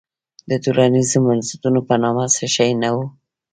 د ټولنیزو بنسټونو په نامه څه شی نه وو.